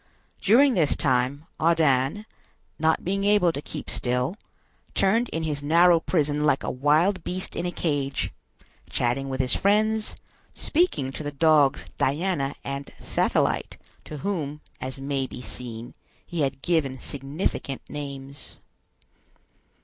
During this time, Ardan, not being able to keep still, turned in his narrow prison like a wild beast in a cage, chatting with his friends, speaking to the dogs Diana and Satellite, to whom, as may be seen, he had given significant names.